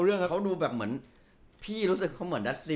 เอาเรื่อง